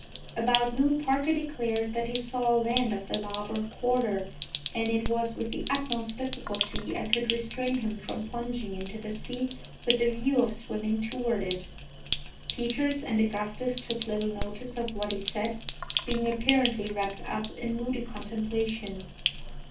About noon Parker declared that he saw land off the larboard quarter, and it was with the utmost difficulty I could restrain him from plunging into the sea with the view of swimming toward it. Peters and Augustus took little notice of what he said, being apparently wrapped up in moody contemplation.